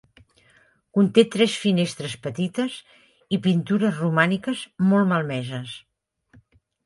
Conté tres finestres petites i pintures romàniques molt malmeses.